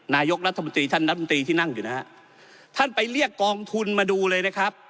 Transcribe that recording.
นายกรัฐมนตรีท่านรัฐมนตรีที่นั่งอยู่นะฮะท่านไปเรียกกองทุนมาดูเลยนะครับ